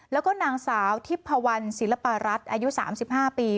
แล้วก็นางสาวทิพพวันศิลปารัฐอายุ๓๕ปี